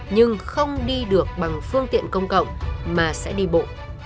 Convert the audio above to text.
nhưng không đi được bằng phương tiện công cộng mà sẽ đi bộ